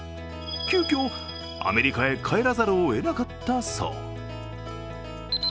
急きょ、アメリカへ帰らざるを得なかったそう。